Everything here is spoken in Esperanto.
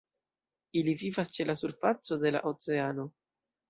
Ili vivas ĉe la surfaco de la oceano.